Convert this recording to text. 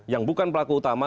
yang bukan pelaku utama